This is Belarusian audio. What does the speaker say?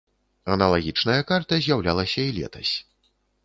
Аналагічная карта з'яўлялася і летась.